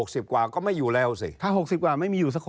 สามสิบกว่า